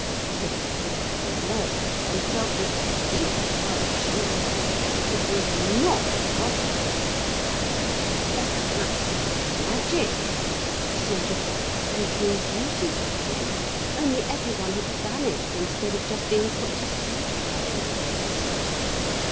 Philip thought of the nurse and felt that, at least as far as she was concerned, it was not possible. Or perhaps it was magic! A sort of Sleeping Beauty happening! Only every one had vanished instead of just being put to sleep for a hundred years.